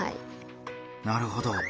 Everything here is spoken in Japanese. なるほど。